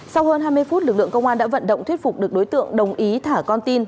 sau hơn hai mươi phút lực lượng công an đã vận động thuyết phục được đối tượng đồng ý thả con tin